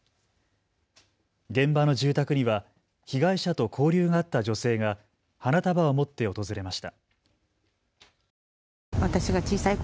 現場の住宅には被害者と交流があった女性が花束を持って訪れました。